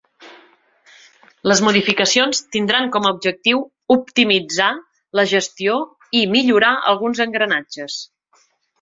Les modificacions tindran com a objectiu ‘optimitzar’ la gestió i ‘millorar alguns engranatges’.